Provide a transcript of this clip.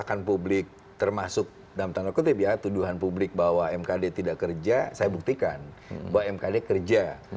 bahkan publik termasuk dalam tanda kutip ya tuduhan publik bahwa mkd tidak kerja saya buktikan bahwa mkd kerja